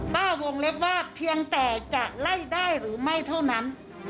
ป้าวงเล็บว่าเพียงแต่จะไล่ได้หรือไม่เท่านั้น